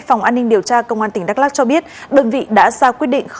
công an quận thanh xuân đã chủ động